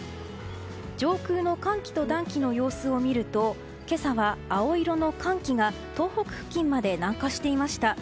上空の寒気と暖気の様子を見ると今朝は青色の寒気が東北付近まで南下していました。